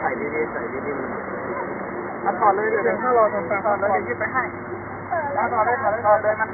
ขอบคุณที่ทำดีดีกับแม่ของฉันหน่อยครับ